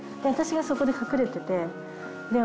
私がそこで隠れてて。